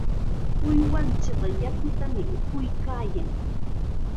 Uywanchikqa yakutam upuykaayan.